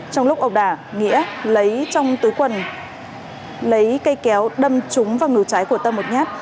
trong lúc ẩu đả nghĩa lấy trong tứ quần lấy cây kéo đâm trúng vào ngực trái của tâm một nhát